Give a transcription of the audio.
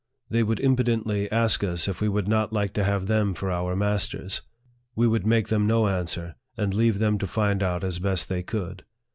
They would impudently ask us if we would not like to have them for oui masters. We would make them no answer, and leave them to find out as best they could.